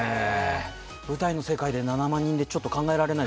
舞台の世界で７万人って考えられない